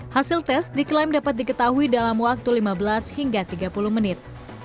hasil tes diklaim dapat diketahui dalam waktu lima belas hingga tiga puluh menit